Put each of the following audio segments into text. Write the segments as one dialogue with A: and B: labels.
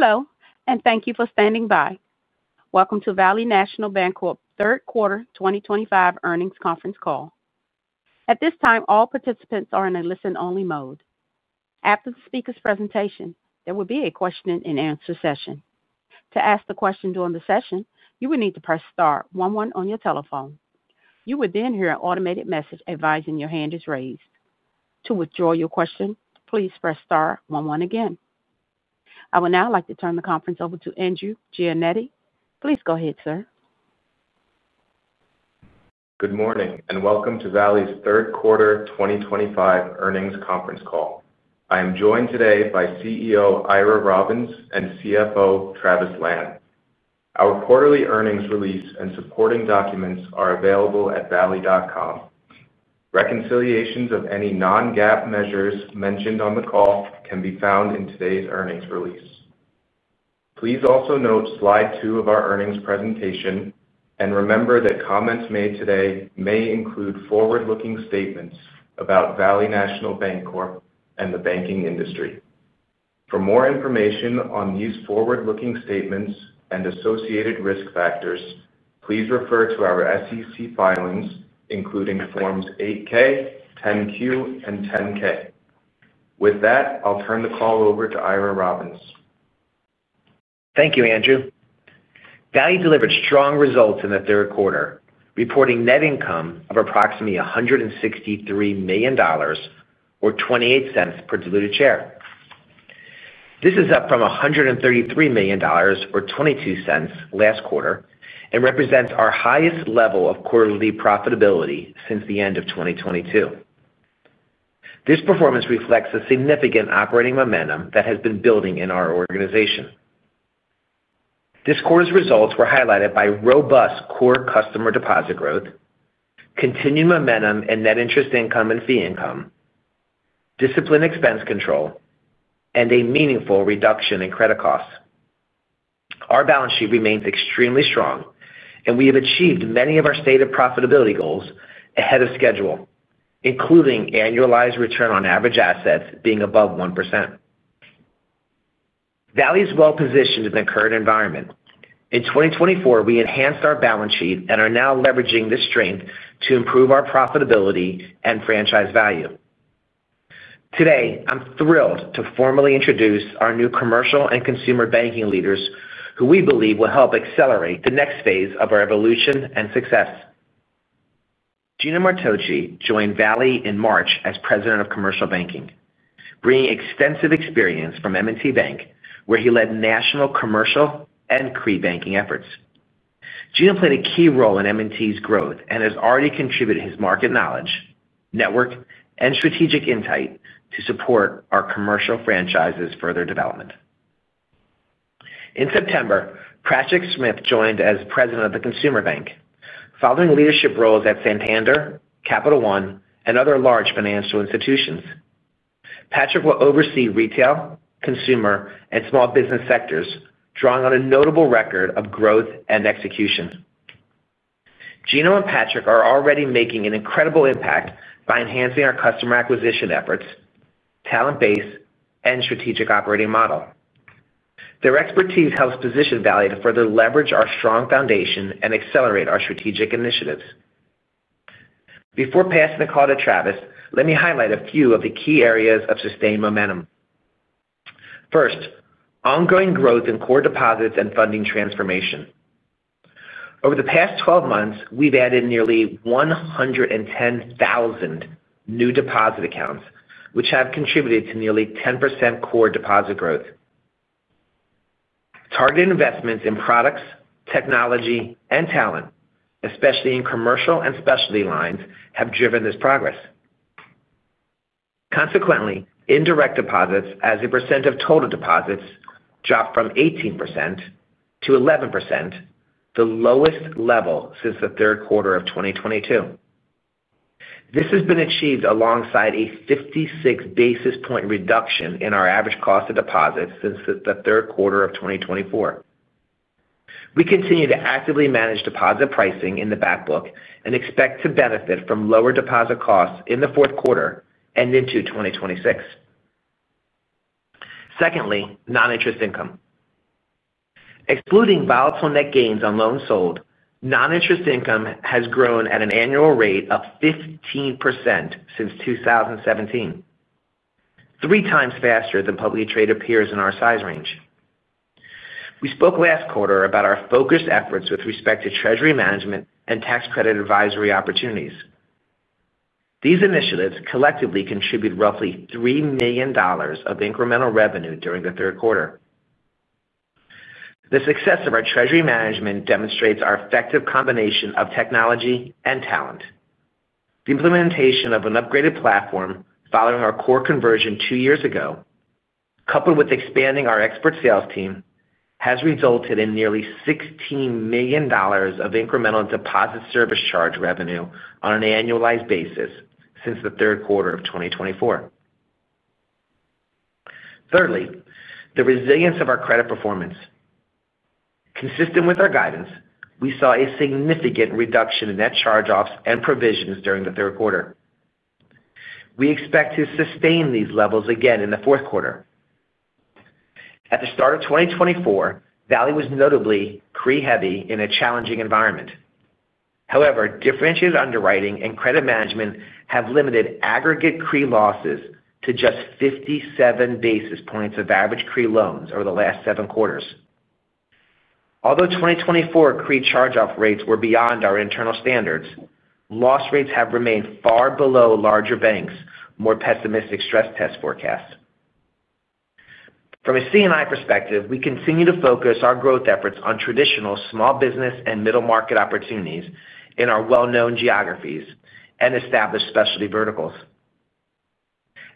A: Hello, and thank you for standing by. Welcome to Valley National Bancorp's third quarter 2025 earnings conference call. At this time, all participants are in a listen-only mode. After the speaker's presentation, there will be a question and answer session. To ask the question during the session, you will need to press star one one on your telephone. You will then hear an automated message advising your hand is raised. To withdraw your question, please press star one one again. I would now like to turn the conference over to Andrew Jianette. Please go ahead, sir.
B: Good morning, and welcome to Valley's third quarter 2025 earnings conference call. I am joined today by CEO Ira Robbins and CFO Travis Lan. Our quarterly earnings release and supporting documents are available at valley.com. Reconciliations of any non-GAAP measures mentioned on the call can be found in today's earnings release. Please also note slide two of our earnings presentation, and remember that comments made today may include forward-looking statements about Valley National Bancorp and the banking industry. For more information on these forward-looking statements and associated risk factors, please refer to our SEC filings, including forms 8-K, 10-Q, and 10-K. With that, I'll turn the call over to Ira Robbins.
C: Thank you, Andrew. Valley delivered strong results in the third quarter, reporting net income of approximately $163 million or $0.28 per diluted share. This is up from $133 million or $0.22 last quarter and represents our highest level of quarterly profitability since the end of 2022. This performance reflects a significant operating momentum that has been building in our organization. This quarter's results were highlighted by robust core customer deposit growth, continued momentum in net interest income and fee income, disciplined expense control, and a meaningful reduction in credit costs. Our balance sheet remains extremely strong, and we have achieved many of our stated profitability goals ahead of schedule, including annualized return on average assets being above 1%. Valley is well positioned in the current environment. In 2024, we enhanced our balance sheet and are now leveraging this strength to improve our profitability and franchise value. Today, I'm thrilled to formally introduce our new Commercial and Consumer Banking leaders, who we believe will help accelerate the next phase of our evolution and success. Gino Martocci joined Valley in March as President of Commercial Banking, bringing extensive experience from M&T Bank, where he led national commercial and C&I banking efforts. Gino played a key role in M&T's growth and has already contributed his market knowledge, network, and strategic insight to support our commercial franchise's further development. In September, Patrick Smith joined as President of the Consumer Bank, following leadership roles at Santander, Capital One, and other large financial institutions. Patrick will oversee retail, consumer, and small business sectors, drawing on a notable record of growth and execution. Gino and Patrick are already making an incredible impact by enhancing our customer acquisition efforts, talent base, and strategic operating model. Their expertise helps position Valley to further leverage our strong foundation and accelerate our strategic initiatives. Before passing the call to Travis, let me highlight a few of the key areas of sustained momentum. First, ongoing growth in core deposits and funding transformation. Over the past 12 months, we've added nearly 110,000 new deposit accounts, which have contributed to nearly 10% core deposit growth. Targeted investments in products, technology, and talent, especially in commercial and specialty lines, have driven this progress. Consequently, indirect deposits, as a percentage of total deposits, dropped from 18% to 11%, the lowest level since the third quarter of 2022. This has been achieved alongside a 56 basis point reduction in our average cost of deposits since the third quarter of 2024. We continue to actively manage deposit pricing in the backbook and expect to benefit from lower deposit costs in the fourth quarter and into 2026. Secondly, non-interest income. Excluding volatile net gains on loans sold, non-interest income has grown at an annual rate of 15% since 2017, three times faster than publicly traded peers in our size range. We spoke last quarter about our focused efforts with respect to treasury management and tax credit advisory opportunities. These initiatives collectively contribute roughly $3 million of incremental revenue during the third quarter. The success of our treasury management demonstrates our effective combination of technology and talent. The implementation of an upgraded platform following our core conversion two years ago, coupled with expanding our expert sales team, has resulted in nearly $16 million of incremental deposit service charge revenue on an annualized basis since the third quarter of 2024. Thirdly, the resilience of our credit performance. Consistent with our guidance, we saw a significant reduction in net charge-offs and provisions during the third quarter. We expect to sustain these levels again in the fourth quarter. At the start of 2024, Valley was notably C&I-heavy in a challenging environment. However, differentiated underwriting and credit management have limited aggregate C&I losses to just 57 basis points of average C&I loans over the last seven quarters. Although 2024 C&I charge-off rates were beyond our internal standards, loss rates have remained far below larger banks' more pessimistic stress test forecasts. From a C&I perspective, we continue to focus our growth efforts on traditional small business and middle market opportunities in our well-known geographies and established specialty verticals.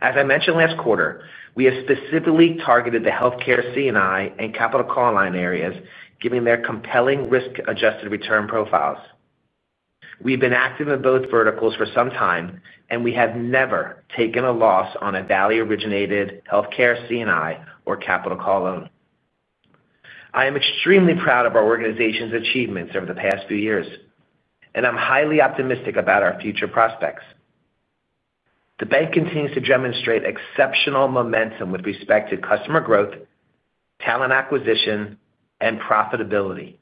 C: As I mentioned last quarter, we have specifically targeted the healthcare C&I and capital call line areas, given their compelling risk-adjusted return profiles. We've been active in both verticals for some time, and we have never taken a loss on a Valley-originated healthcare C&I or capital call loan. I am extremely proud of our organization's achievements over the past few years, and I'm highly optimistic about our future prospects. The bank continues to demonstrate exceptional momentum with respect to customer growth, talent acquisition, and profitability.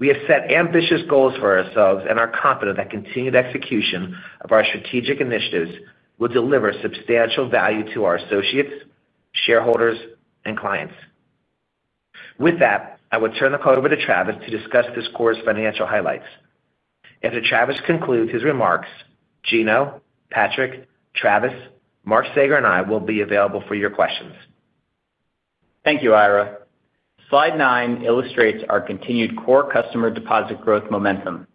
C: We have set ambitious goals for ourselves and are confident that continued execution of our strategic initiatives will deliver substantial value to our associates, shareholders, and clients. With that, I will turn the call over to Travis to discuss this quarter's financial highlights. After Travis concludes his remarks, Gino, Patrick, Travis, Mark Saeger, and I will be available for your questions.
D: Thank you, Ira. Slide nine illustrates our continued core customer deposit growth momentum.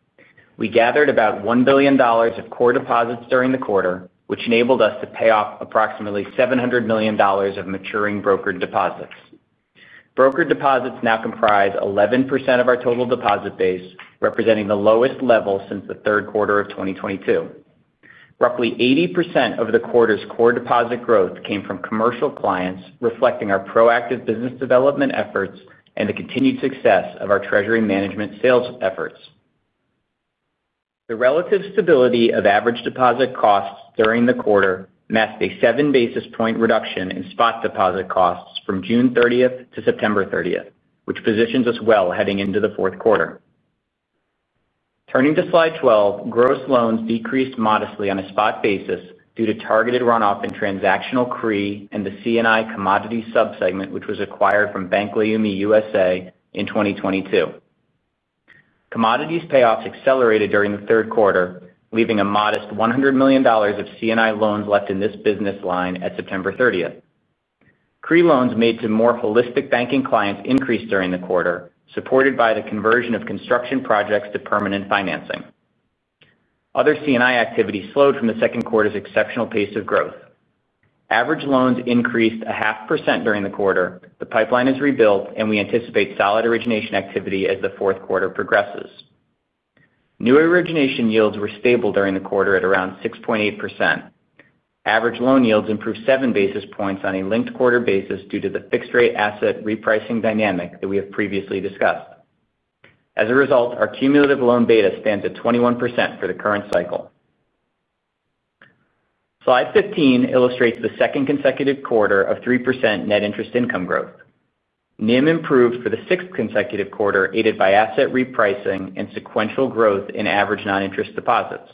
D: We gathered about $1 billion of core deposits during the quarter, which enabled us to pay off approximately $700 million of maturing brokered deposits. Brokered deposits now comprise 11% of our total deposit base, representing the lowest level since the third quarter of 2022. Roughly 80% of the quarter's core deposit growth came from commercial clients, reflecting our proactive business development efforts and the continued success of our treasury management sales efforts. The relative stability of average deposit costs during the quarter masked a seven-basis-point reduction in spot deposit costs from June 30th to September 30th, which positions us well heading into the fourth quarter. Turning to slide 12, gross loans decreased modestly on a spot basis due to targeted runoff in transactional C&I and the C&I commodity subsegment, which was acquired from Bank Leumi USA in 2022. Commodities payoffs accelerated during the third quarter, leaving a modest $100 million of C&I loans left in this business line at September 30th. C&I loans made to more holistic banking clients increased during the quarter, supported by the conversion of construction projects to permanent financing. Other C&I activity slowed from the second quarter's exceptional pace of growth. Average loans increased a half percent during the quarter. The pipeline is rebuilt, and we anticipate solid origination activity as the fourth quarter progresses. New origination yields were stable during the quarter at around 6.8%. Average loan yields improved seven basis points on a linked quarter basis due to the fixed-rate asset repricing dynamic that we have previously discussed. As a result, our cumulative loan beta stands at 21% for the current cycle. Slide 15 illustrates the second consecutive quarter of 3% net interest income growth. NIM improved for the sixth consecutive quarter, aided by asset repricing and sequential growth in average non-interest deposits.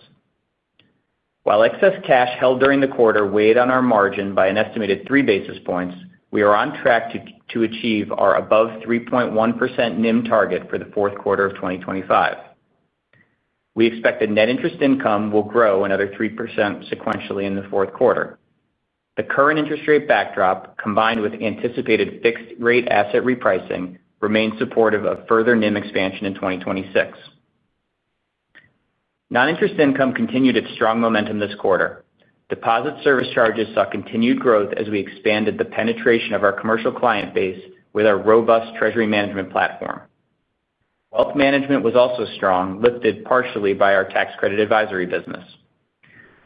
D: While excess cash held during the quarter weighed on our margin by an estimated three basis points, we are on track to achieve our above 3.1% NIM target for the fourth quarter of 2025. We expect the net interest income will grow another 3% sequentially in the fourth quarter. The current interest rate backdrop, combined with anticipated fixed-rate asset repricing, remains supportive of further NIM expansion in 2026. Non-interest income continued its strong momentum this quarter. Deposit service charges saw continued growth as we expanded the penetration of our commercial client base with our robust treasury management platform. Wealth management was also strong, lifted partially by our tax credit advisory business.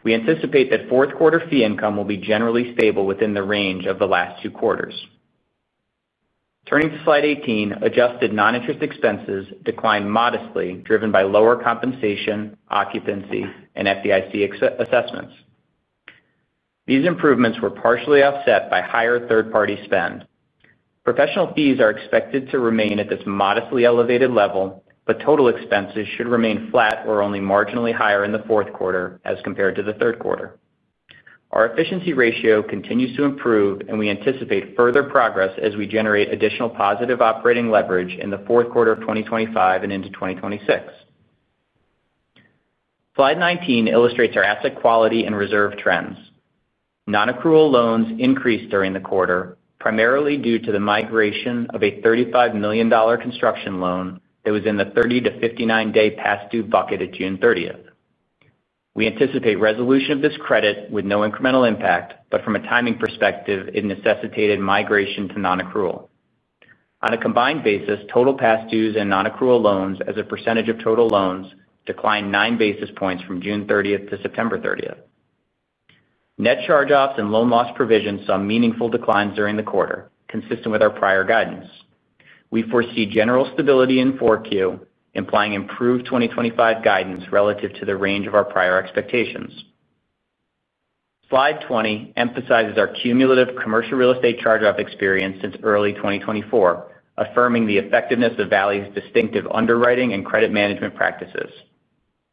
D: We anticipate that fourth quarter fee income will be generally stable within the range of the last two quarters. Turning to slide 18, adjusted non-interest expenses declined modestly, driven by lower compensation, occupancy, and FDIC assessments. These improvements were partially offset by higher third-party spend. Professional fees are expected to remain at this modestly elevated level, but total expenses should remain flat or only marginally higher in the fourth quarter as compared to the third quarter. Our efficiency ratio continues to improve, and we anticipate further progress as we generate additional positive operating leverage in the fourth quarter of 2025 and into 2026. Slide 19 illustrates our asset quality and reserve trends. Non-accrual loans increased during the quarter, primarily due to the migration of a $35 million construction loan that was in the 30 to 59-day past due bucket at June 30th. We anticipate resolution of this credit with no incremental impact, but from a timing perspective, it necessitated migration to non-accrual. On a combined basis, total past dues and non-accrual loans, as a percentage of total loans, declined 9 basis points from June 30th to September 30th. Net charge-offs and loan loss provisions saw meaningful declines during the quarter, consistent with our prior guidance. We foresee general stability in 4Q, implying improved 2025 guidance relative to the range of our prior expectations. Slide 20 emphasizes our cumulative commercial real estate charge-off experience since early 2024, affirming the effectiveness of Valley's distinctive underwriting and credit management practices.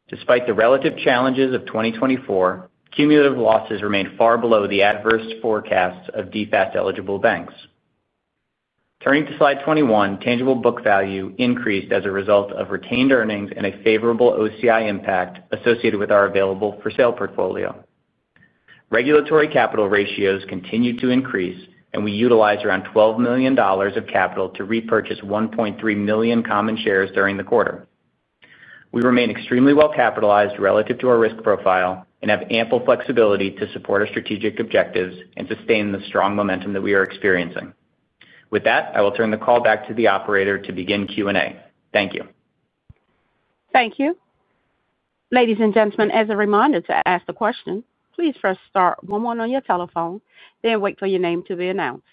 D: Despite the relative challenges of 2024, cumulative losses remain far below the adverse forecasts of DFAST-eligible banks. Turning to slide 21, tangible book value increased as a result of retained earnings and a favorable OCI impact associated with our available for sale portfolio. Regulatory capital ratios continued to increase, and we utilized around $12 million of capital to repurchase 1.3 million common shares during the quarter. We remain extremely well capitalized relative to our risk profile and have ample flexibility to support our strategic objectives and sustain the strong momentum that we are experiencing. With that, I will turn the call back to the operator to begin Q&A. Thank you.
A: Thank you. Ladies and gentlemen, as a reminder to ask a question, please press star one one on your telephone, then wait for your name to be announced.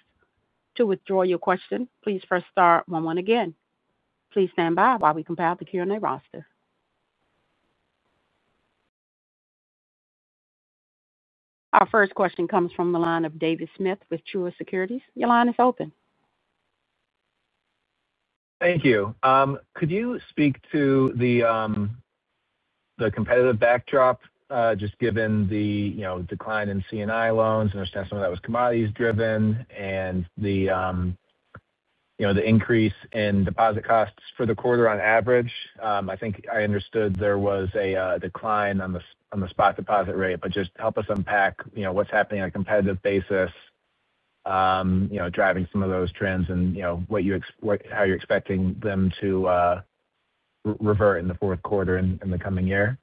A: To withdraw your question, please press star one one again. Please stand by while we compile the Q&A roster. Our first question comes from the line of David Smith with Truist Securities. Your line is open.
E: Thank you. Could you speak to the competitive backdrop, just given the decline in C&I loans? I understand some of that was commodities-driven, and the increase in deposit costs for the quarter on average. I think I understood there was a decline on the spot deposit rate, but just help us unpack what's happening on a competitive basis, driving some of those trends, and how you're expecting them to revert in the fourth quarter in the coming year.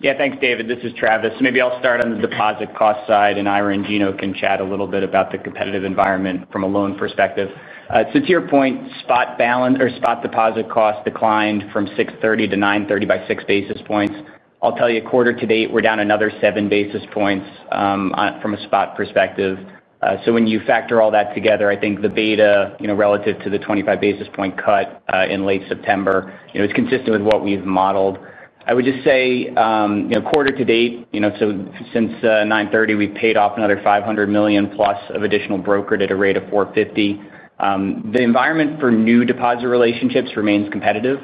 D: Yeah, thanks, David. This is Travis. Maybe I'll start on the deposit cost side, and Ira and Gino can chat a little bit about the competitive environment from a loan perspective. To your point, spot balance or spot deposit cost declined from 6/30 to 9/30 by six basis points. I'll tell you, quarter to date, we're down another seven basis points from a spot perspective. When you factor all that together, I think the beta relative to the 25 basis point cut in late September is consistent with what we've modeled. I would just say, quarter to date, so since 9/30, we've paid off another $500 million plus of additional brokered at a rate of 4.50%. The environment for new deposit relationships remains competitive.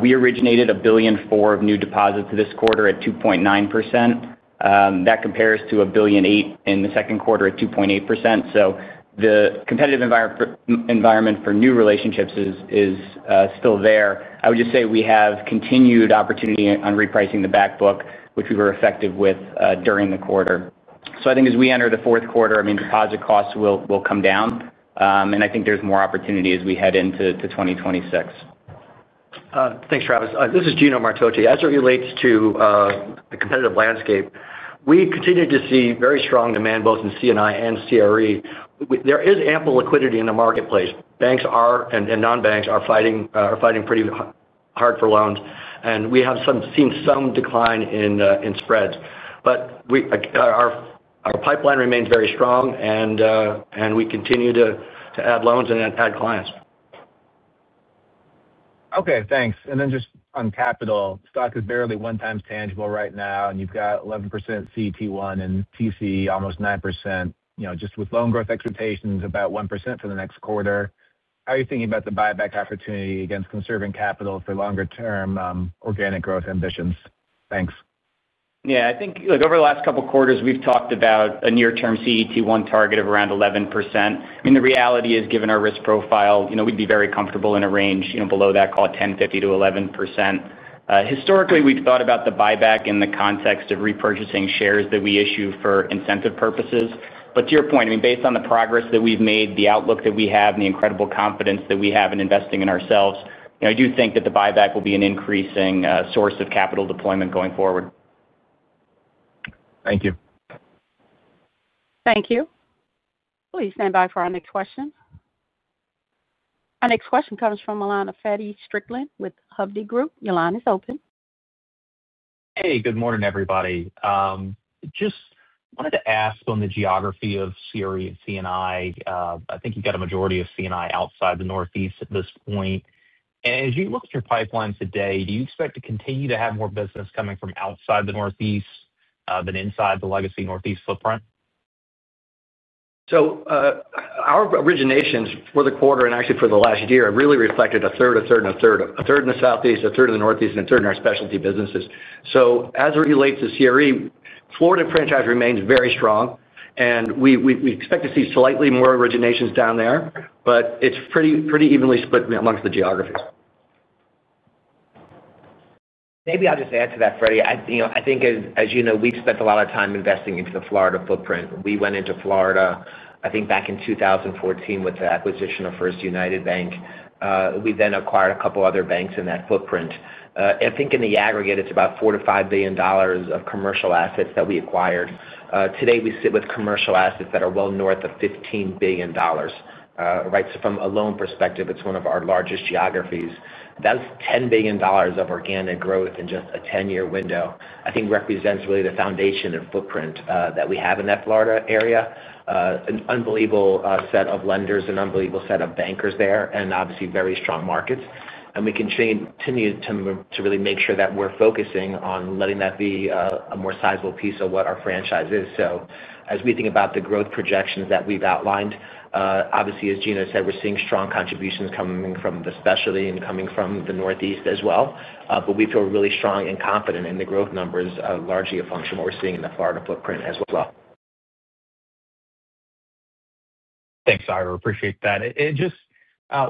D: We originated $1.4 billion of new deposits this quarter at 2.9%. That compares to $1.8 billion in the second quarter at 2.8%. The competitive environment for new relationships is still there. I would just say we have continued opportunity on repricing the backbook, which we were effective with during the quarter. As we enter the fourth quarter, deposit costs will come down, and I think there's more opportunity as we head into 2026.
F: Thanks, Travis. This is Gino Martocci. As it relates to the competitive landscape, we continue to see very strong demand both in C&I and CRE. There is ample liquidity in the marketplace. Banks and non-banks are fighting pretty hard for loans, and we have seen some decline in spreads. Our pipeline remains very strong, and we continue to add loans and add clients.
E: Okay, thanks. Just on capital, stock is barely one times tangible right now, and you've got 11% CET1 and TC almost 9%. With loan growth expectations about 1% for the next quarter, how are you thinking about the buyback opportunity against conserving capital for longer-term organic growth ambitions? Thanks.
D: Yeah, I think over the last couple of quarters, we've talked about a near-term CET1 target of around 11%. The reality is, given our risk profile, we'd be very comfortable in a range below that, call it 10.50%-11%. Historically, we've thought about the buyback in the context of repurchasing shares that we issue for incentive purposes. To your point, based on the progress that we've made, the outlook that we have, and the incredible confidence that we have in investing in ourselves, I do think that the buyback will be an increasing source of capital deployment going forward.
E: Thank you.
A: Thank you. Please stand by for our next question. Our next question comes from the line of Feddie Strickland with Hovde Group. Your line is open.
G: Hey, good morning, everybody. Just wanted to ask on the geography of CRE and C&I. I think you've got a majority of C&I outside the Northeast at this point. As you look at your pipeline today, do you expect to continue to have more business coming from outside the Northeast than inside the legacy Northeast footprint?
F: Our originations for the quarter and actually for the last year have really reflected 1/3, 1/3, 1/3. 1/3 in the Southeast, 1/3 in the Northeast, and 1/3 in our specialty businesses. As it relates to CRE, the Florida franchise remains very strong, and we expect to see slightly more originations down there, but it's pretty evenly split amongst the geographies.
C: Maybe I'll just add to that, Freddy. I think, as you know, we've spent a lot of time investing into the Florida footprint. We went into Florida, I think, back in 2014 with the acquisition of First United Bank. We then acquired a couple of other banks in that footprint. I think in the aggregate, it's about $4 billion-$5 billion of commercial assets that we acquired. Today, we sit with commercial assets that are well north of $15 billion. Right? From a loan perspective, it's one of our largest geographies. That's $10 billion of organic growth in just a 10-year window. I think it represents really the foundation and footprint that we have in that Florida area. An unbelievable set of lenders, an unbelievable set of bankers there, and obviously very strong markets. We can continue to really make sure that we're focusing on letting that be a more sizable piece of what our franchise is. As we think about the growth projections that we've outlined, obviously, as Gino said, we're seeing strong contributions coming from the specialty and coming from the Northeast as well. We feel really strong and confident in the growth numbers, largely a function of what we're seeing in the Florida footprint as well.
G: Thanks, Ira. Appreciate that. Just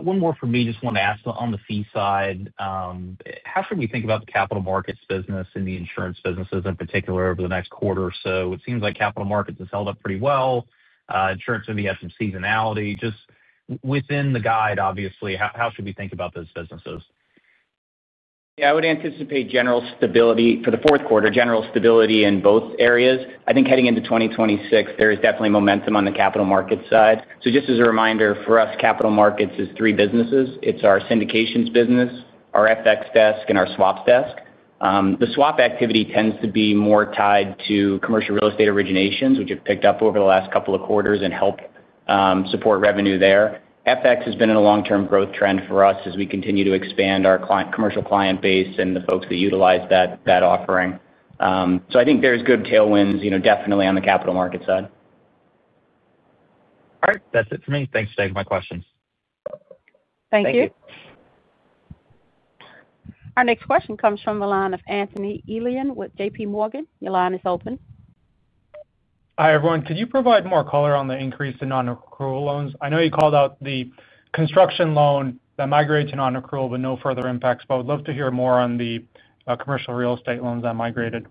G: one more for me, just want to ask on the fee side, how should we think about the capital markets business and the insurance businesses in particular over the next quarter or so? It seems like capital markets have held up pretty well. Insurance maybe has some seasonality. Just within the guide, obviously, how should we think about those businesses?
C: Yeah, I would anticipate general stability for the fourth quarter, general stability in both areas. I think heading into 2026, there is definitely momentum on the capital markets side. Just as a reminder for us, capital markets is three businesses. It's our syndications business, our FX desk, and our swaps desk. The swap activity tends to be more tied to commercial real estate originations, which have picked up over the last couple of quarters and helped support revenue there. FX has been in a long-term growth trend for us as we continue to expand our commercial client base and the folks that utilize that offering. I think there's good tailwinds, you know, definitely on the capital markets side.
G: All right. That's it for me. Thanks for taking my questions.
A: Thank you. Our next question comes from the line of Anthony Elian with JPMorgan. Your line is open.
H: Hi, everyone. Could you provide more color on the increase in non-accrual loans? I know you called out the construction loan that migrated to non-accrual, with no further impacts. I would love to hear more on the commercial real estate loans that migrated.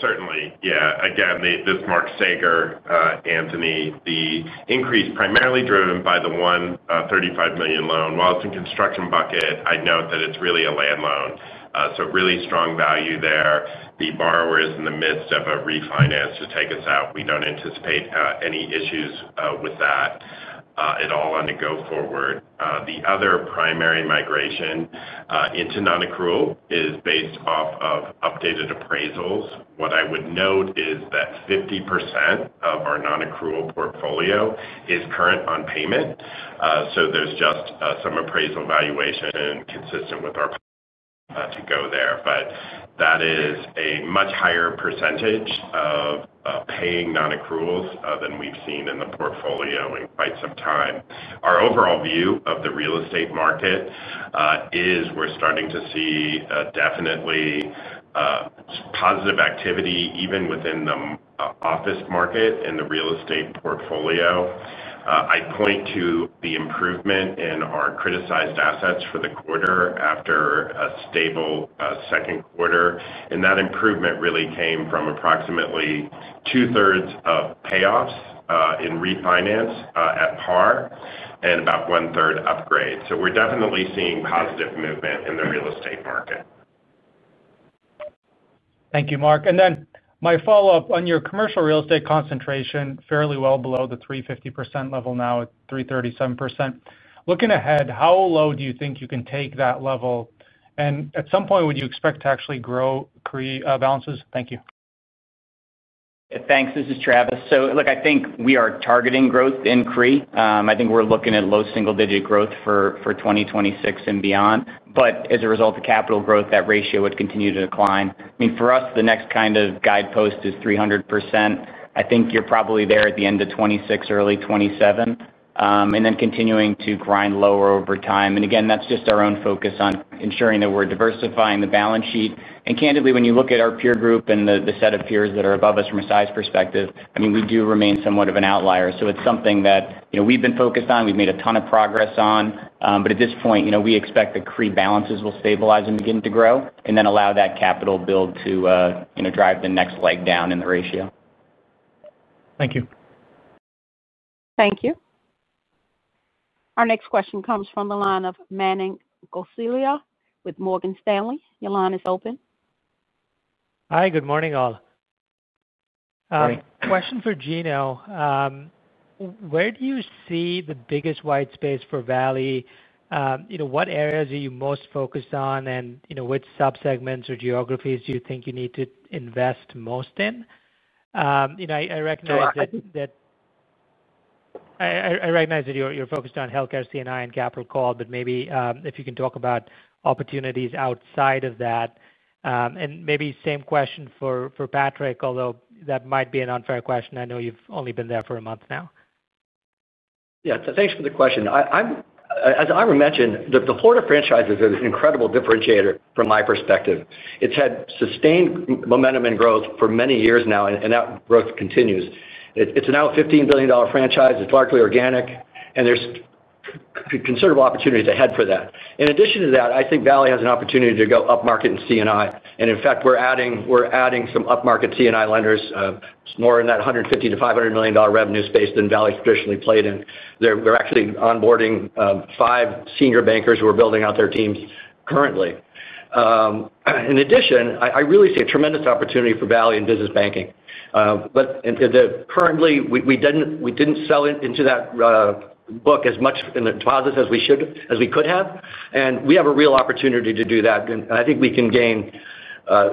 I: Certainly. Yeah. Again, this is Mark Saeger. Anthony, the increase primarily driven by the $135 million loan. While it's in the construction bucket, I'd note that it's really a land loan. Really strong value there. The borrower is in the midst of a refinance to take us out. We don't anticipate any issues with that at all on the go forward. The other primary migration into non-accrual is based off of updated appraisals. What I would note is that 50% of our non-accrual portfolio is current on payment. There's just some appraisal valuation consistent with our to go there. That is a much higher percentage of paying non-accruals than we've seen in the portfolio in quite some time. Our overall view of the real estate market is we're starting to see definitely positive activity even within the office market in the real estate portfolio. I'd point to the improvement in our criticized assets for the quarter after a stable second quarter. That improvement really came from approximately 2/3 of payoffs in refinance at par and about 1/3 upgrade. We're definitely seeing positive movement in the real estate market.
H: Thank you, Mark. My follow-up on your commercial real estate concentration, fairly well below the 350% level now at 337%. Looking ahead, how low do you think you can take that level? At some point, would you expect to actually grow CRE balances? Thank you.
D: Thanks. This is Travis. Look, I think we are targeting growth in CRE. I think we're looking at low single-digit growth for 2026 and beyond. As a result of capital growth, that ratio would continue to decline. For us, the next kind of guidepost is 300%. I think you're probably there at the end of 2026, early 2027, and then continuing to grind lower over time. Again, that's just our own focus on ensuring that we're diversifying the balance sheet. Candidly, when you look at our peer group and the set of peers that are above us from a size perspective, we do remain somewhat of an outlier. It's something that we've been focused on. We've made a ton of progress on it. At this point, we expect the CRE balances will stabilize and begin to grow and then allow that capital build to drive the next leg down in the ratio.
H: Thank you.
A: Thank you. Our next question comes from the line of Manan Gosalia with Morgan Stanley. Your line is open.
J: Hi, good morning all. Question for Gino. Where do you see the biggest white space for Valley? What areas are you most focused on, and which subsegments or geographies do you think you need to invest most in? I recognize that you're focused on healthcare, C&I, and capital call, but maybe if you can talk about opportunities outside of that. Maybe same question for Patrick, although that might be an unfair question. I know you've only been there for a month now.
F: Yeah, thanks for the question. As Ira mentioned, the Florida franchise is an incredible differentiator from my perspective. It's had sustained momentum and growth for many years now, and that growth continues. It's now a $15 billion franchise. It's largely organic, and there's considerable opportunities ahead for that. In addition to that, I think Valley has an opportunity to go upmarket in C&I. In fact, we're adding some upmarket C&I lenders, more in that $150 million-$500 million revenue space than Valley traditionally played in. We're actually onboarding five Senior Bankers who are building out their teams currently. I really see a tremendous opportunity for Valley in business banking. Currently, we didn't sell into that book as much in the deposits as we could have. We have a real opportunity to do that. I think we can gain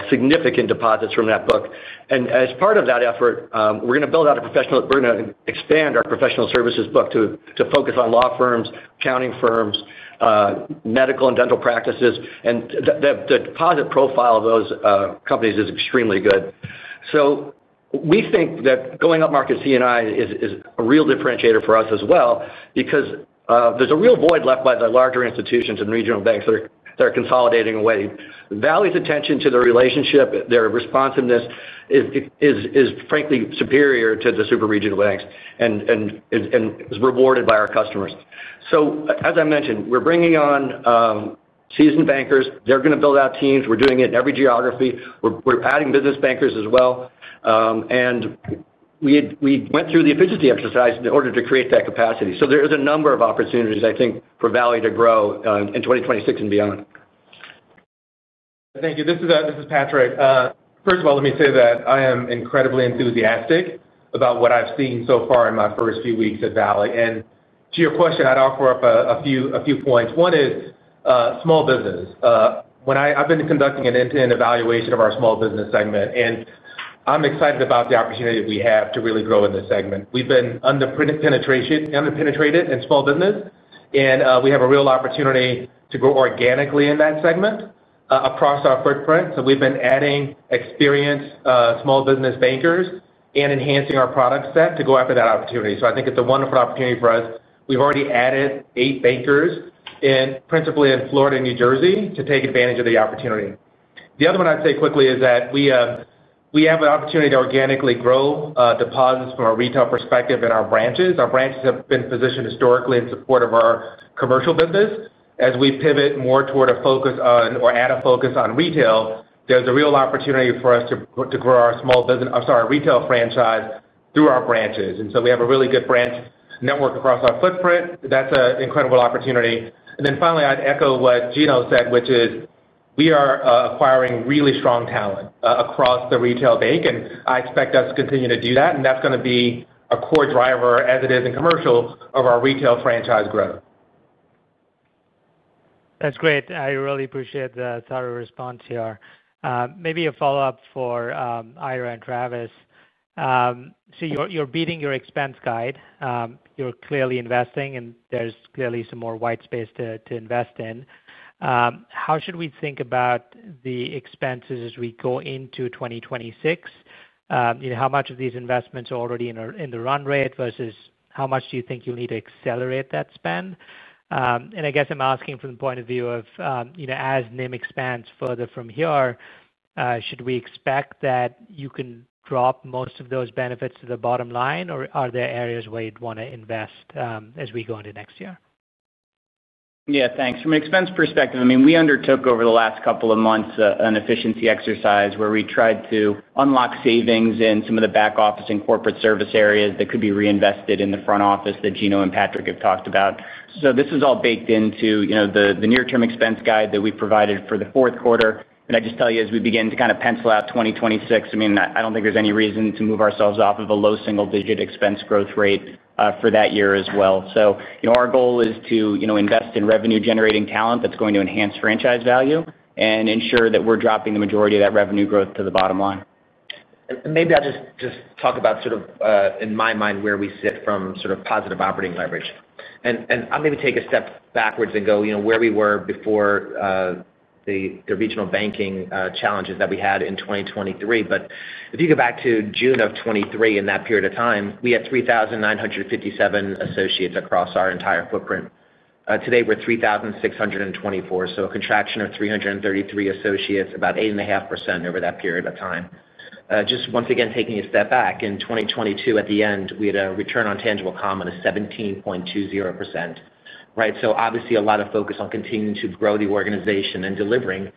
F: significant deposits from that book. As part of that effort, we're going to expand our professional services book to focus on law firms, accounting firms, medical and dental practices. The deposit profile of those companies is extremely good. We think that going upmarket C&I is a real differentiator for us as well because there's a real void left by the larger institutions and regional banks that are consolidating away. Valley's attention to their relationship, their responsiveness is frankly superior to the super regional banks and is rewarded by our customers. As I mentioned, we're bringing on seasoned bankers. They're going to build out teams. We're doing it in every geography. We're adding business bankers as well. We went through the efficiency exercise in order to create that capacity. There's a number of opportunities, I think, for Valley to grow in 2026 and beyond.
K: Thank you. This is Patrick. First of all, let me say that I am incredibly enthusiastic about what I've seen so far in my first few weeks at Valley. To your question, I'd offer up a few points. One is small business. I've been conducting an evaluation of our small business segment, and I'm excited about the opportunity that we have to really grow in this segment. We've been underpenetrated in small business, and we have a real opportunity to grow organically in that segment across our footprint. We've been adding experienced small business bankers and enhancing our product set to go after that opportunity. I think it's a wonderful opportunity for us. We've already added eight bankers principally in Florida and New Jersey to take advantage of the opportunity. The other one I'd say quickly is that we have an opportunity to organically grow deposits from a retail perspective in our branches. Our branches have been positioned historically in support of our commercial business. As we pivot more toward a focus on or add a focus on retail, there's a real opportunity for us to grow our small business, I'm sorry, retail franchise through our branches. We have a really good branch network across our footprint. That's an incredible opportunity. Finally, I'd echo what Gino said, which is we are acquiring really strong talent across the retail bank, and I expect us to continue to do that. That's going to be a core driver, as it is in commercial, of our retail franchise growth.
J: That's great. I really appreciate the thorough response here. Maybe a follow-up for Ira and Travis. You're beating your expense guide. You're clearly investing, and there's clearly some more white space to invest in. How should we think about the expenses as we go into 2026? How much of these investments are already in the run rate versus how much do you think you'll need to accelerate that spend? I guess I'm asking from the point of view of, as NIM expands further from here, should we expect that you can drop most of those benefits to the bottom line, or are there areas where you'd want to invest as we go into next year?
C: Yeah, thanks. From an expense perspective, we undertook over the last couple of months an efficiency exercise where we tried to unlock savings in some of the back office and corporate service areas that could be reinvested in the front office that Gino and Patrick have talked about. This is all baked into the near-term expense guide that we provided for the fourth quarter. As we begin to kind of pencil out 2026, I don't think there's any reason to move ourselves off of a low single-digit expense growth rate for that year as well. Our goal is to invest in revenue-generating talent that's going to enhance franchise value and ensure that we're dropping the majority of that revenue growth to the bottom line.
D: Maybe I'll just talk about, in my mind, where we sit from positive operating leverage. I'll take a step backwards and go, you know, where we were before the regional banking challenges that we had in 2023. If you go back to June of 2023, in that period of time, we had 3,957 associates across our entire footprint. Today, we're 3,624, so a contraction of 333 associates, about 8.5% over that period of time. Just once again, taking a step back, in 2022, at the end, we had a return on tangible common of 17.20%. Right? Obviously, a lot of focus on continuing to grow the organization and delivering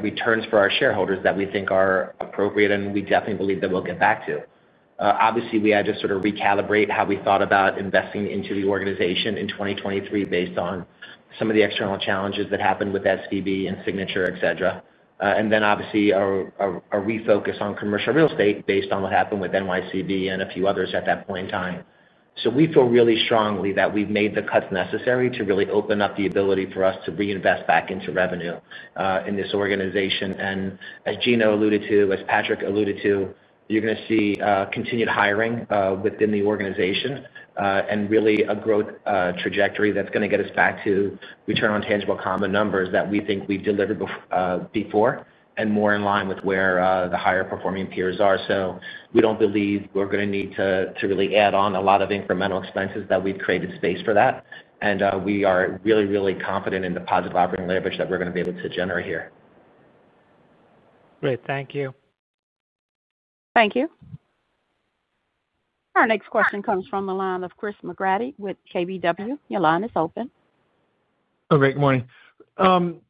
D: returns for our shareholders that we think are appropriate, and we definitely believe that we'll get back to. We had to recalibrate how we thought about investing into the organization in 2023 based on some of the external challenges that happened with SVB and Signature, etc. Obviously, a refocus on commercial real estate based on what happened with NYCB and a few others at that point in time. We feel really strongly that we've made the cuts necessary to really open up the ability for us to reinvest back into revenue in this organization. As Gino alluded to, as Patrick alluded to, you're going to see continued hiring within the organization and really a growth trajectory that's going to get us back to return on tangible common numbers that we think we've delivered before and more in line with where the higher performing peers are. We don't believe we're going to need to really add on a lot of incremental expenses that we've created space for that. We are really, really confident in the positive operating leverage that we're going to be able to generate here.
J: Great, thank you.
A: Thank you. Our next question comes from the line of Chris McGratty with KBW. Your line is open.
L: Oh, great. Good morning.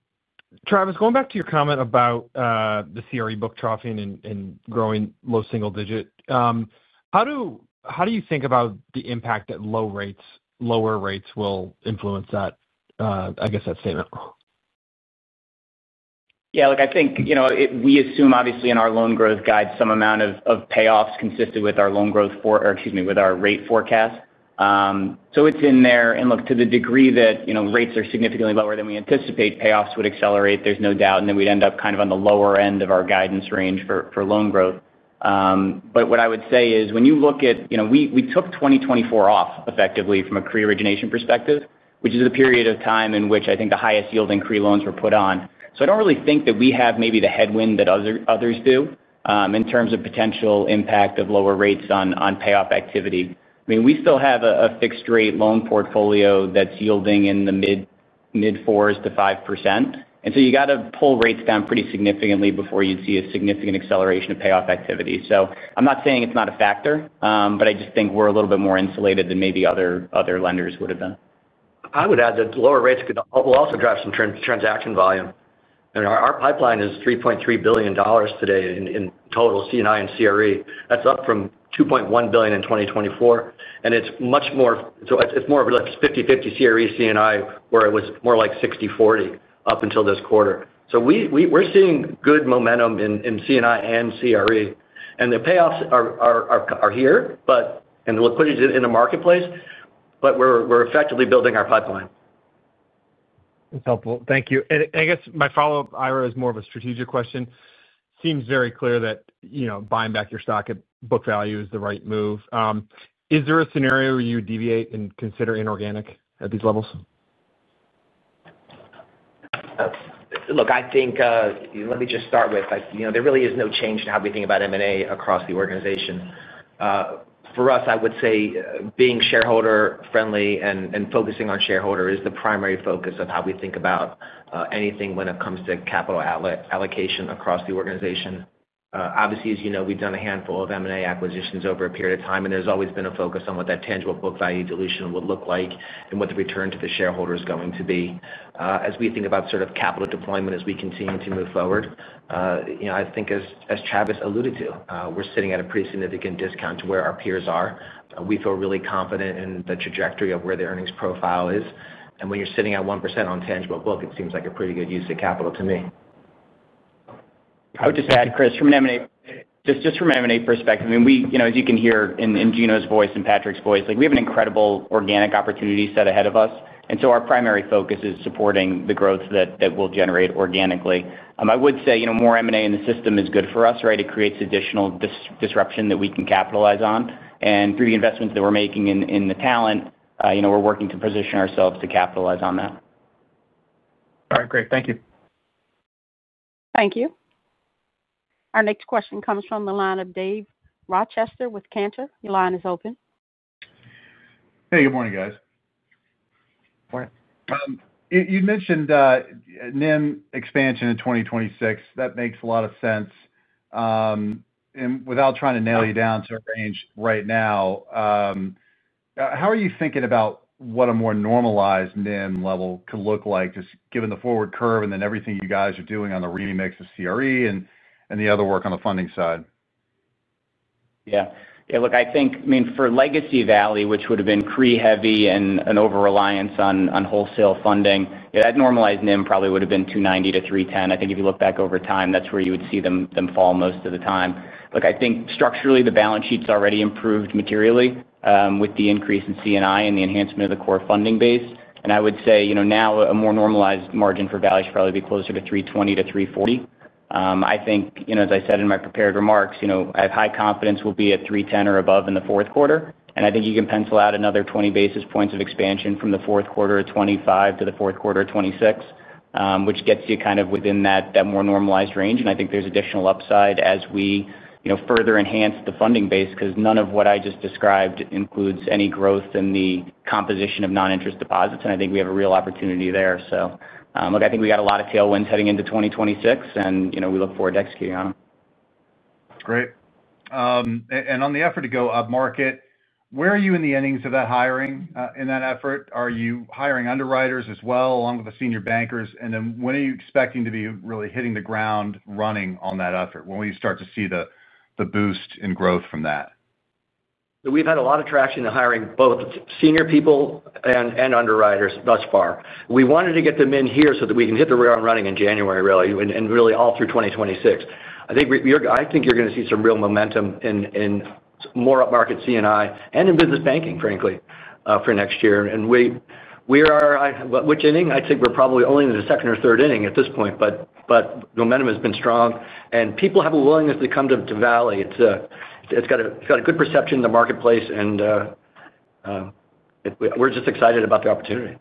L: Travis, going back to your comment about the CRE book troughing and growing low single digit, how do you think about the impact that lower rates will influence that, I guess, that statement?
D: Yeah, look, I think we assume, obviously, in our loan growth guide, some amount of payoffs consistent with our loan growth for, or excuse me, with our rate forecast. It's in there. To the degree that rates are significantly lower than we anticipate, payoffs would accelerate. There's no doubt. We'd end up kind of on the lower end of our guidance range for loan growth. What I would say is when you look at, you know, we took 2024 off effectively from a CRE origination perspective, which is the period of time in which I think the highest yielding CRE loans were put on. I don't really think that we have maybe the headwind that others do in terms of potential impact of lower rates on payoff activity. We still have a fixed-rate loan portfolio that's yielding in the mid-4% to 5%. You have to pull rates down pretty significantly before you'd see a significant acceleration of payoff activity. I'm not saying it's not a factor, but I just think we're a little bit more insulated than maybe other lenders would have been.
F: I would add that lower rates will also drive some transaction volume. Our pipeline is $3.3 billion today in total C&I and CRE. That's up from $2.1 billion in 2024. It's more of a 50/50 CRE C&I where it was more like 60/40 up until this quarter. We're seeing good momentum in C&I and CRE. The payoffs are here, and the liquidity is in the marketplace, but we're effectively building our pipeline.
L: That's helpful. Thank you. I guess my follow-up, Ira, is more of a strategic question. It seems very clear that buying back your stock at book value is the right move. Is there a scenario where you deviate and consider inorganic at these levels?
C: Look, I think let me just start with, you know, there really is no change in how we think about M&A across the organization. For us, I would say being shareholder-friendly and focusing on shareholders is the primary focus of how we think about anything when it comes to capital allocation across the organization. Obviously, as you know, we've done a handful of M&A acquisitions over a period of time, and there's always been a focus on what that tangible book value dilution will look like and what the return to the shareholder is going to be. As we think about sort of capital deployment as we continue to move forward, I think as Travis alluded to, we're sitting at a pretty significant discount to where our peers are. We feel really confident in the trajectory of where the earnings profile is. When you're sitting at 1% on tangible book, it seems like a pretty good use of capital to me.
D: I would just add, Chris, from an M&A perspective, we, you know, as you can hear in Gino's voice and Patrick's voice, we have an incredible organic opportunity set ahead of us. Our primary focus is supporting the growth that we'll generate organically. I would say more M&A in the system is good for us, right? It creates additional disruption that we can capitalize on. Through the investments that we're making in the talent, we're working to position ourselves to capitalize on that.
L: All right, great. Thank you.
A: Thank you. Our next question comes from the line of Dave Rochester with Cantor. Your line is open.
M: Hey, good morning, guys. You mentioned NIM expansion in 2026. That makes a lot of sense. Without trying to nail you down to a range right now, how are you thinking about what a more normalized NIM level could look like, just given the forward curve and then everything you guys are doing on the remix of CRE and the other work on the funding side?
D: Yeah. Yeah, look, I think, I mean, for legacy Valley, which would have been C&I heavy and an overreliance on wholesale funding, that normalized NIM probably would have been 2.90%-3.10%. I think if you look back over time, that's where you would see them fall most of the time. Look, I think structurally, the balance sheet's already improved materially with the increase in C&I and the enhancement of the core funding base. I would say now a more normalized margin for Valley should probably be closer to 3.20%-3.40%. I think, as I said in my prepared remarks, I have high confidence we'll be at 3.10% or above in the fourth quarter. I think you can pencil out another 20 basis points of expansion from the fourth quarter of 2025 to the fourth quarter of 2026, which gets you kind of within that more normalized range. I think there's additional upside as we further enhance the funding base because none of what I just described includes any growth in the composition of non-interest deposits. I think we have a real opportunity there. I think we got a lot of tailwinds heading into 2026, and we look forward to executing on them.
M: Great. On the effort to go upmarket, where are you in the endings of that hiring in that effort? Are you hiring underwriters as well, along with the senior bankers? When are you expecting to be really hitting the ground running on that effort? When will you start to see the boost in growth from that?
F: We have had a lot of traction in hiring both senior people and underwriters thus far. We wanted to get them in here so that we can hit the ground running in January, really, and really all through 2026. I think you're going to see some real momentum in more upmarket C&I and in business banking, frankly, for next year. We are, which inning? I think we're probably only in the second or third inning at this point, but the momentum has been strong. People have a willingness to come to Valley. It's got a good perception in the marketplace, and we're just excited about the opportunity.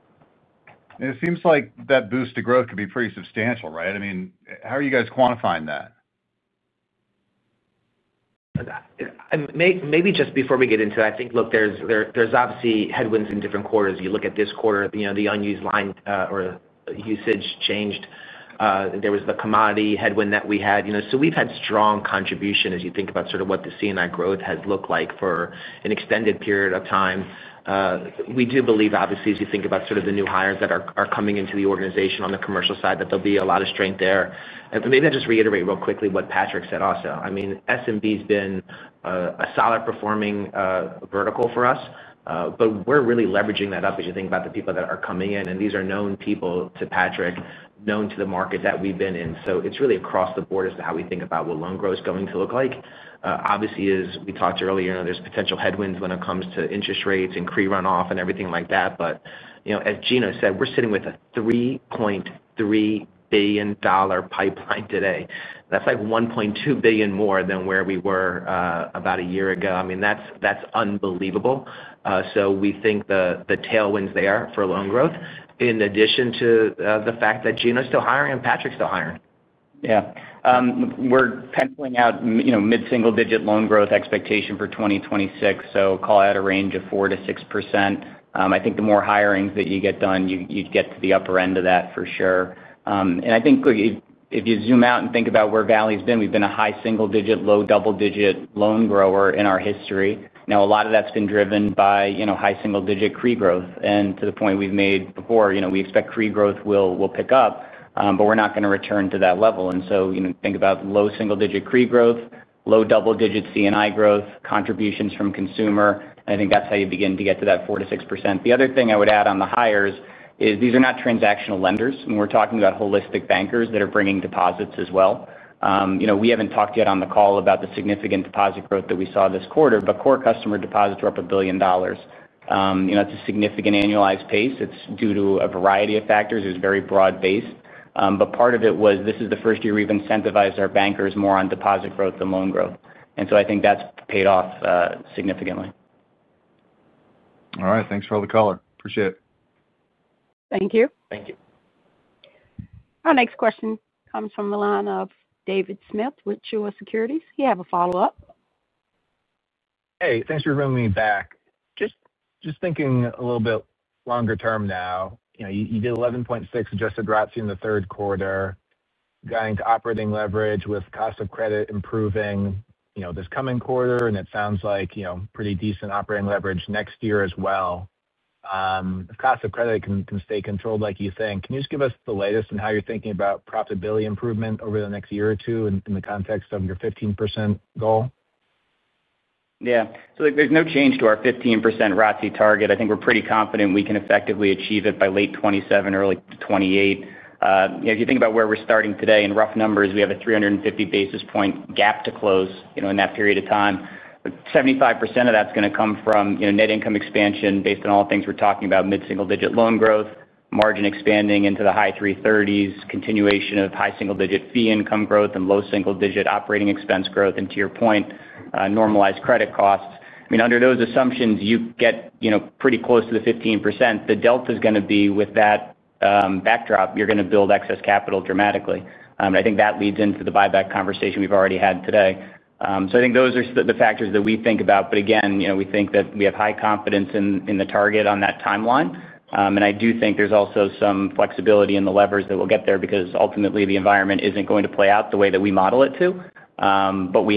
M: It seems like that boost to growth could be pretty substantial, right? I mean, how are you guys quantifying that?
C: Maybe just before we get into that, I think, look, there's obviously headwinds in different quarters. You look at this quarter, the unused line or usage changed. There was the commodity headwind that we had. We've had strong contribution as you think about what the C&I growth has looked like for an extended period of time. We do believe, obviously, as you think about the new hires that are coming into the organization on the commercial side, that there'll be a lot of strength there. Maybe I'll just reiterate real quickly what Patrick said also. I mean, SMB has been a solid performing vertical for us, but we're really leveraging that up as you think about the people that are coming in. These are known people to Patrick, known to the market that we've been in. It's really across the board as to how we think about what loan growth is going to look like. Obviously, as we talked earlier, there's potential headwinds when it comes to interest rates and CRE runoff and everything like that. As Gino said, we're sitting with a $3.3 billion pipeline today. That's like $1.2 billion more than where we were about a year ago. I mean, that's unbelievable. We think the tailwinds are there for loan growth, in addition to the fact that Gino's still hiring and Patrick's still hiring.
D: Yeah. We're penciling out, you know, mid-single-digit loan growth expectation for 2026. Call out a range of 4%-6%. I think the more hirings that you get done, you'd get to the upper end of that for sure. If you zoom out and think about where Valley's been, we've been a high single-digit, low double-digit loan grower in our history. A lot of that's been driven by, you know, high single-digit CRE growth. To the point we've made before, we expect CRE growth will pick up, but we're not going to return to that level. You know, think about low single-digit CRE growth, low double-digit C&I growth, contributions from consumer. I think that's how you begin to get to that 4%-6%. The other thing I would add on the hires is these are not transactional lenders. We're talking about holistic bankers that are bringing deposits as well. We haven't talked yet on the call about the significant deposit growth that we saw this quarter, but core customer deposits were up $1 billion. That's a significant annualized pace. It's due to a variety of factors. It was very broad-based. Part of it was this is the first year we've incentivized our bankers more on deposit growth than loan growth. I think that's paid off significantly.
M: All right. Thanks for all the color. Appreciate it.
A: Thank you.
D: Thank you.
A: Our next question comes from the line of David Smith with Truist Securities. You have a follow-up.
E: Hey, thanks for bringing me back. Just thinking a little bit longer term now, you know, you did $11.6 million adjusted royalty in the third quarter, going to operating leverage with cost of credit improving, you know, this coming quarter. It sounds like, you know, pretty decent operating leverage next year as well. If cost of credit can stay controlled like you think, can you just give us the latest on how you're thinking about profitability improvement over the next year or two in the context of your 15% goal?
D: Yeah. There's no change to our 15% royalty target. I think we're pretty confident we can effectively achieve it by late 2027, early 2028. If you think about where we're starting today, in rough numbers, we have a 350 basis point gap to close in that period of time. 75% of that's going to come from net income expansion based on all the things we're talking about, mid-single-digit loan growth, margin expanding into the high 330s, continuation of high single-digit fee income growth and low single-digit operating expense growth, and to your point, normalized credit costs. Under those assumptions, you get pretty close to the 15%. The delta is going to be, with that backdrop, you're going to build excess capital dramatically. I think that leads into the buyback conversation we've already had today. Those are the factors that we think about. Again, we think that we have high confidence in the target on that timeline. I do think there's also some flexibility in the levers that we'll get there because ultimately, the environment isn't going to play out the way that we model it to. We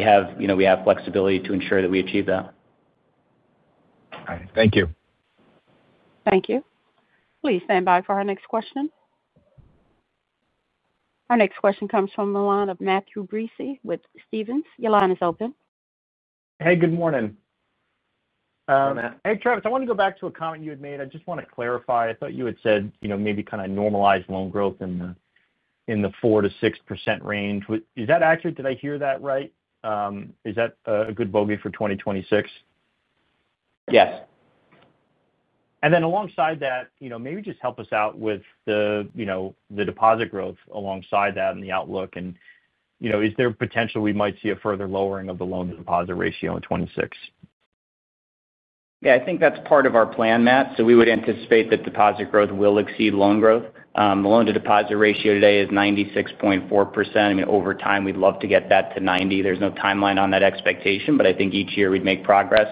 D: have flexibility to ensure that we achieve that.
E: All right. Thank you.
A: Thank you. Please stand by for our next question. Our next question comes from the line of Matthew Breese with Stephens. Your line is open.
N: Hey, good morning.
D: Hey, man.
N: Hey, Travis. I want to go back to a comment you had made. I just want to clarify. I thought you had said, you know, maybe kind of normalize loan growth in the 4%-6% range. Is that accurate? Did I hear that right? Is that a good bogey for 2026?
D: Yes.
N: Maybe just help us out with the deposit growth alongside that and the outlook. Is there a potential we might see a further lowering of the loan-to-deposit ratio in 2026?
D: Yeah, I think that's part of our plan, Matt. We would anticipate that deposit growth will exceed loan growth. The loan-to-deposit ratio today is 96.4%. Over time, we'd love to get that to 90%. There's no timeline on that expectation, but I think each year we'd make progress.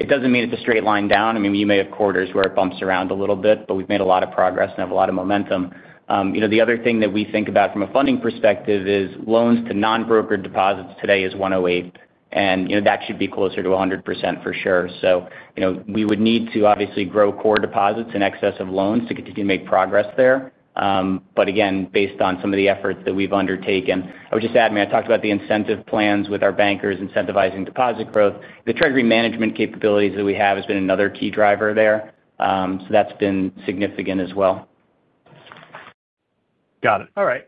D: It doesn't mean it's a straight line down. You may have quarters where it bumps around a little bit, but we've made a lot of progress and have a lot of momentum. The other thing that we think about from a funding perspective is loans to non-brokered deposits today is 108%. That should be closer to 100% for sure. We would need to obviously grow core deposits in excess of loans to continue to make progress there. Again, based on some of the efforts that we've undertaken, I would just add, I talked about the incentive plans with our bankers incentivizing deposit growth. The treasury management capabilities that we have has been another key driver there. That's been significant as well.
N: Got it. All right.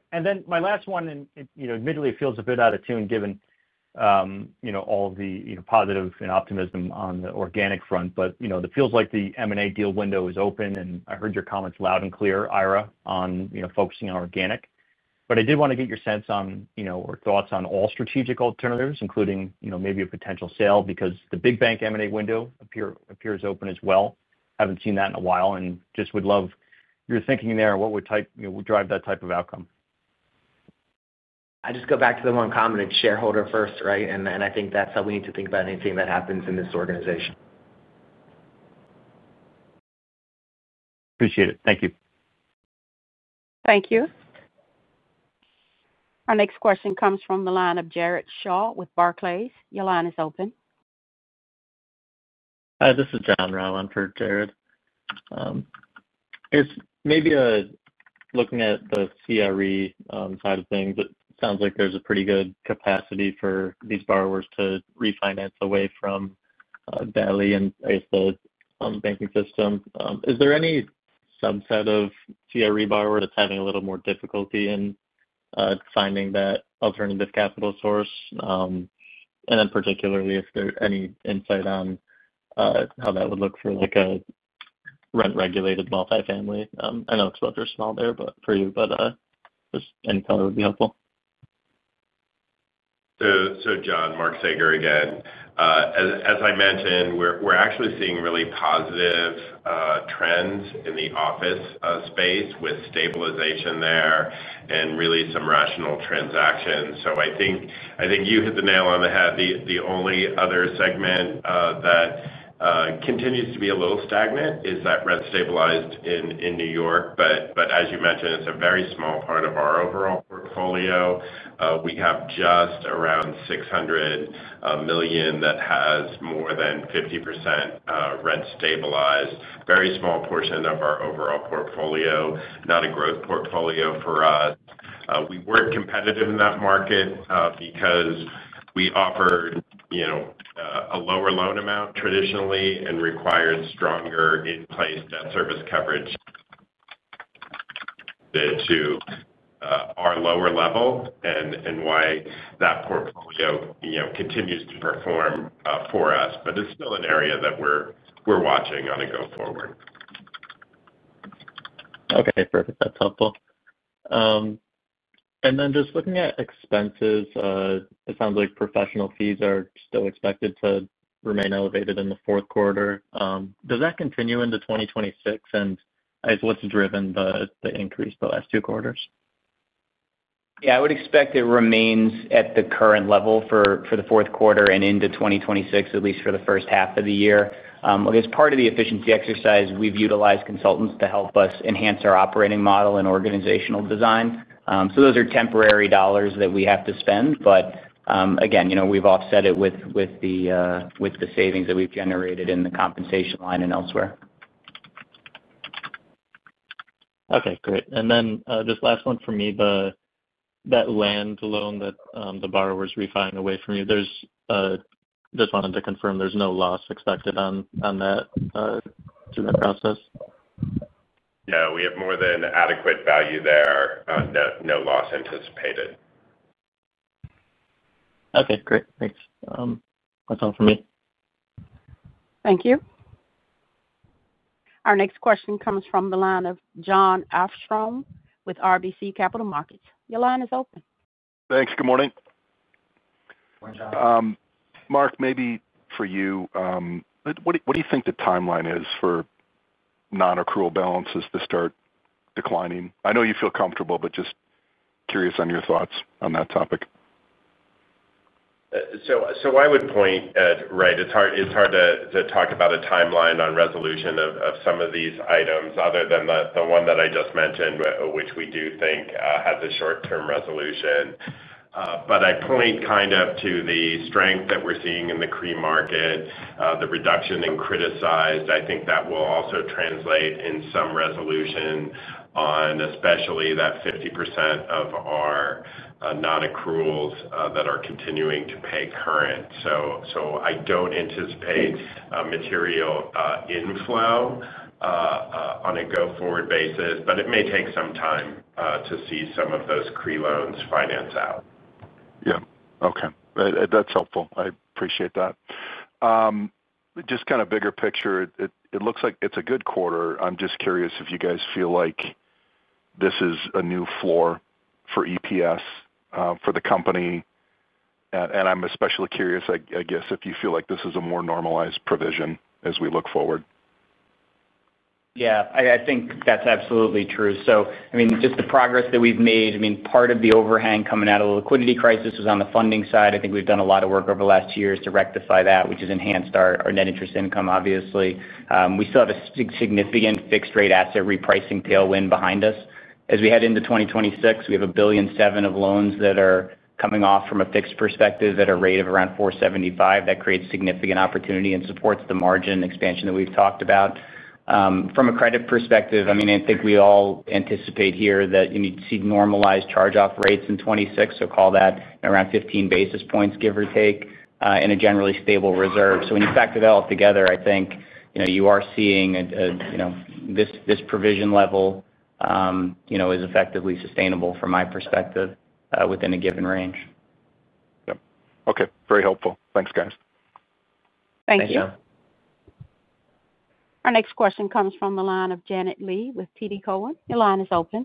N: My last one, admittedly, feels a bit out of tune given all of the positive and optimism on the organic front. It feels like the M&A deal window is open. I heard your comments loud and clear, Ira, on focusing on organic. I did want to get your sense on or thoughts on all strategic alternatives, including maybe a potential sale because the big bank M&A window appears open as well. Haven't seen that in a while. Just would love your thinking there and what would drive that type of outcome.
C: I just go back to the one comment, it's shareholder first, right? I think that's how we need to think about anything that happens in this organization.
N: Appreciate it. Thank you.
A: Thank you. Our next question comes from the line of Jared Shaw with Barclays. Your line is open.
O: This is Jon Rau. I'm for Jared. I guess maybe looking at the CRE side of things, it sounds like there's a pretty good capacity for these borrowers to refinance away from Valley and, I guess, the banking system. Is there any subset of CRE borrower that's having a little more difficulty in finding that alternative capital source? Particularly, is there any insight on how that would look for like a rent-regulated multifamily? I know it's relatively small there for you, but just any color would be helpful.
I: John, Mark Saeger again. As I mentioned, we're actually seeing really positive trends in the office space with stabilization there and really some rational transactions. I think you hit the nail on the head. The only other segment that continues to be a little stagnant is that rent stabilized in New York. As you mentioned, it's a very small part of our overall portfolio. We have just around $600 million that has more than 50% rent stabilized, a very small portion of our overall portfolio, not a growth portfolio for us. We weren't competitive in that market because we offered, you know, a lower loan amount traditionally and required stronger in-place debt service coverage to our lower level and why that portfolio, you know, continues to perform for us. It's still an area that we're watching on a go-forward.
O: Okay, perfect. That's helpful. Just looking at expenses, it sounds like professional fees are still expected to remain elevated in the fourth quarter. Does that continue into 2026? I guess what's driven the increase the last two quarters?
C: Yeah, I would expect it remains at the current level for the fourth quarter and into 2026, at least for the first half of the year. I guess part of the efficiency exercise, we've utilized consultants to help us enhance our operating model and organizational design. Those are temporary dollars that we have to spend. Again, we've offset it with the savings that we've generated in the compensation line and elsewhere.
O: Okay, great. Just last one from me, that land loan that the borrowers refined away from you, just wanted to confirm there's no loss expected on that through that process.
I: Yeah, we have more than adequate value there. No loss anticipated.
O: Okay, great. Thanks. That's all for me.
A: Thank you. Our next question comes from the line of Jon Arfstrom with RBC Capital Markets. Your line is open.
P: Thanks. Good morning.
C: Morning, John.
P: Mark, maybe for you, what do you think the timeline is for non-accrual balances to start declining? I know you feel comfortable, just curious on your thoughts on that topic.
I: I would point, right, it's hard to talk about a timeline on resolution of some of these items other than the one that I just mentioned, which we do think has a short-term resolution. I point kind of to the strength that we're seeing in the CRE market, the reduction in criticized. I think that will also translate in some resolution on especially that 50% of our non-accruals that are continuing to pay current. I don't anticipate a material inflow on a go-forward basis, but it may take some time to see some of those CRE loans finance out.
P: Yeah. Okay, that's helpful. I appreciate that. Just kind of a bigger picture, it looks like it's a good quarter. I'm just curious if you guys feel like this is a new floor for EPS for the company. I'm especially curious, I guess, if you feel like this is a more normalized provision as we look forward.
C: Yeah, I think that's absolutely true. I mean, just the progress that we've made, part of the overhang coming out of the liquidity crisis was on the funding side. I think we've done a lot of work over the last two years to rectify that, which has enhanced our net interest income, obviously. We still have a significant fixed-rate asset repricing tailwind behind us. As we head into 2026, we have $1.7 billion of loans that are coming off from a fixed perspective at a rate of around 4.75%. That creates significant opportunity and supports the margin expansion that we've talked about. From a credit perspective, I think we all anticipate here that you'd see normalized charge-off rates in 2026, so call that around 15 basis points, give or take, and a generally stable reserve. When you factor that all together, I think you are seeing this provision level is effectively sustainable from my perspective within a given range.
P: Yeah. Okay. Very helpful. Thanks, guys.
A: Thank you.
C: Thanks, John.
A: Our next question comes from the line of Janet Lee with TD Cowen. Your line is open.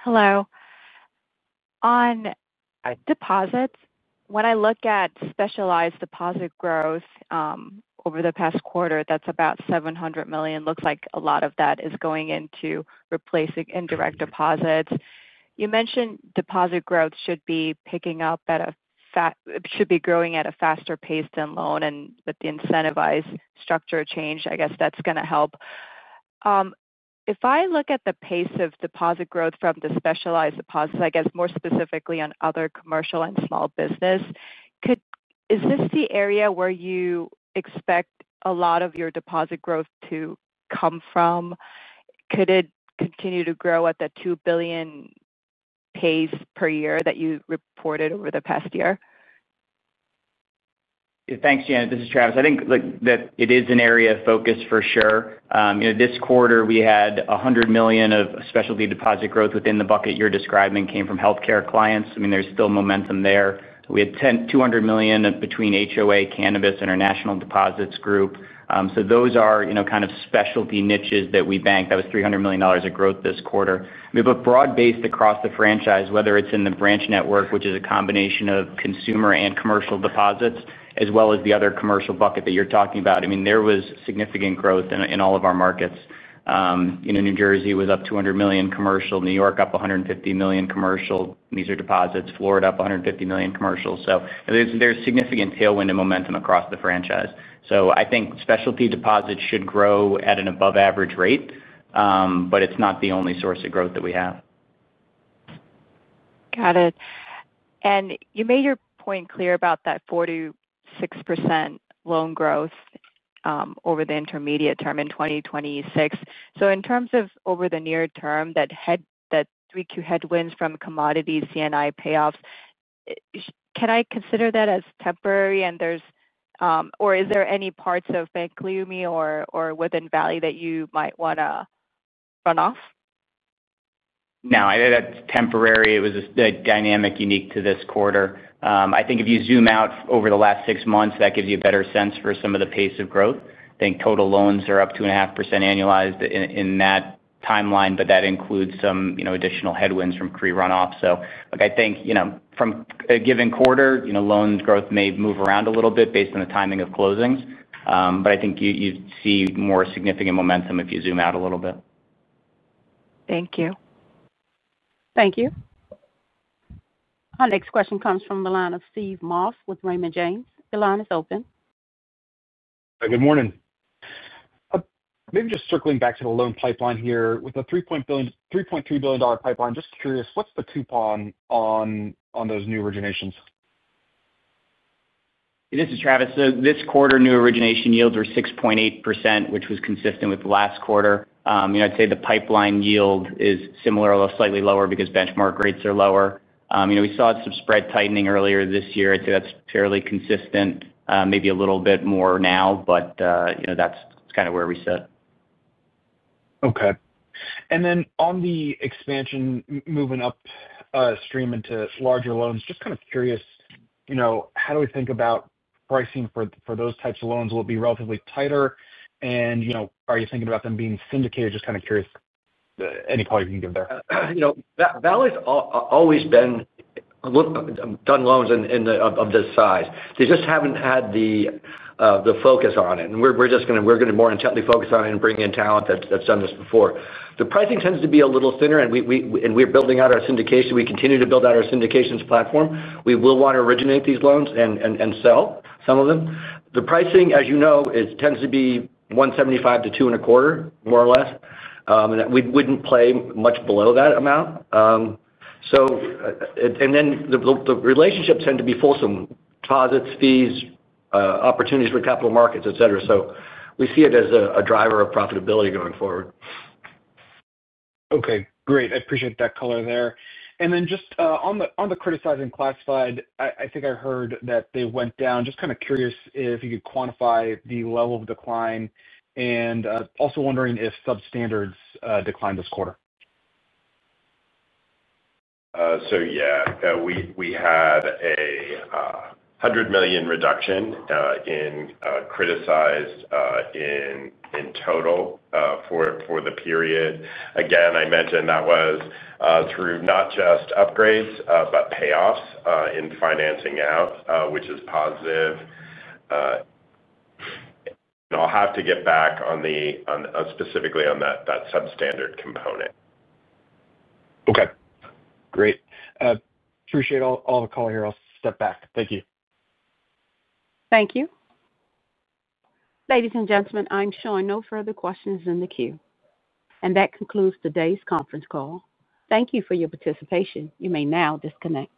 Q: Hello. On deposits, when I look at specialized deposit growth over the past quarter, that's about $700 million. It looks like a lot of that is going into replacing indirect deposits. You mentioned deposit growth should be growing at a faster pace than loan, and with the incentivized structure change, I guess that's going to help. If I look at the pace of deposit growth from the specialized deposits, I guess more specifically on other commercial and small business, is this the area where you expect a lot of your deposit growth to come from? Could it continue to grow at the $2 billion pace per year that you reported over the past year?
D: Thanks, Janet. This is Travis. I think that it is an area of focus for sure. This quarter, we had $100 million of specialty deposit growth within the bucket you're describing came from healthcare clients. I mean, there's still momentum there. We had $200 million between [HOA, Cannabis,] and our National Deposits Group. Those are, you know, kind of specialty niches that we bank. That was $300 million of growth this quarter. I mean, broad-based across the franchise, whether it's in the branch network, which is a combination of consumer and commercial deposits, as well as the other commercial bucket that you're talking about, there was significant growth in all of our markets. New Jersey was up $200 million commercial, New York up $150 million commercial, these are deposits, Florida up $150 million commercial. There is significant tailwind and momentum across the franchise. I think specialty deposits should grow at an above-average rate, but it's not the only source of growth that we have.
Q: Got it. You made your point clear about that 46% loan growth over the intermediate term in 2026. In terms of over the near term, that 3Q headwinds from commodity C&I payoffs, can I consider that as temporary? Is there any parts of Valley that you might want to run off?
D: No, that's temporary. It was just a dynamic unique to this quarter. I think if you zoom out over the last six months, that gives you a better sense for some of the pace of growth. I think total loans are up 2.5% annualized in that timeline, but that includes some additional headwinds from C&I runoff. I think from a given quarter, loans growth may move around a little bit based on the timing of closings. I think you'd see more significant momentum if you zoom out a little bit.
Q: Thank you.
A: Thank you. Our next question comes from the line of Steve Moss with Raymond James. Your line is open.
R: Good morning. Maybe just circling back to the loan pipeline here, with a $3.3 billion pipeline, just curious, what's the coupon on those new originations?
D: This is Travis. This quarter, new origination yields were 6.8%, which was consistent with the last quarter. I'd say the pipeline yield is similar, although slightly lower because benchmark rates are lower. We saw some spread tightening earlier this year. I'd say that's fairly consistent, maybe a little bit more now, but that's kind of where we sit.
R: Okay. On the expansion moving upstream into larger loans, just kind of curious, how do we think about pricing for those types of loans? Will it be relatively tighter? Are you thinking about them being syndicated? Just kind of curious. Any color you can give there?
K: Valley's always been a little. Done loans of this size. They just haven't had the focus on it. We're just going to more intently focus on it and bring in talent that's done this before. The pricing tends to be a little thinner, and we're building out our syndication. We continue to build out our syndications platform. We will want to originate these loans and sell some of them. The pricing, as you know, tends to be 1.75%-2.25%, more or less. We wouldn't play much below that amount. The relationships tend to be fulsome: deposits, fees, opportunities for capital markets, etc. We see it as a driver of profitability going forward.
R: Okay, great. I appreciate that color there. Just on the criticizing classified, I think I heard that they went down. I'm just kind of curious if you could quantify the level of decline and also wondering if substandards declined this quarter.
I: We had a $100 million reduction in criticized in total for the period. I mentioned that was through not just upgrades, but payoffs in financing out, which is positive. I'll have to get back on the specifically on that substandard component.
R: Okay. Great. Appreciate all the color here. I'll step back. Thank you.
A: Thank you. Ladies and gentlemen, I'm showing no further questions in the queue. That concludes today's conference call. Thank you for your participation. You may now disconnect.